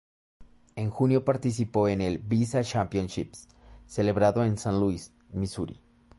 En junio participó en el "Visa Championships" celebrado en Saint Louis, Misuri.